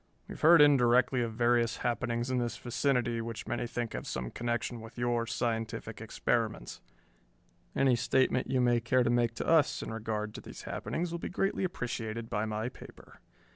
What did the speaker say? "We have heard indirectly of various happenings in this vicinity which many think have some connection with your scientific experiments. Any statement you may care to make to us in regard to these happenings will be greatly appreciated by my paper.